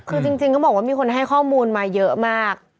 คือจริงต้องบอกว่ามีคนให้ข้อมูลมาเยอะมาก